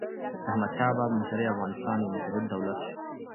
د احمدشاه بابا په مشرۍ افغانستان یو متحد دولت سو.